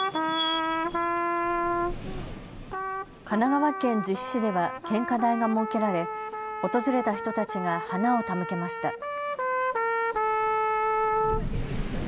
神奈川県逗子市では献花台が設けられ訪れた人たちが花を手向けました。